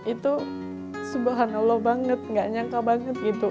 itu subhanallah banget gak nyangka banget gitu